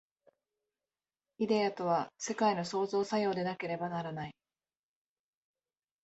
イデヤとは世界の創造作用でなければならない。